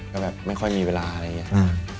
ก็แบบไม่ค่อยมีเวลาอะไรอย่างนี้